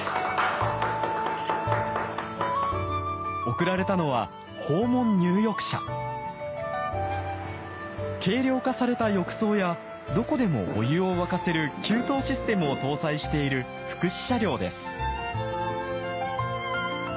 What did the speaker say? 贈られたのは軽量化された浴槽やどこでもお湯を沸かせる給湯システムを搭載している福祉車両です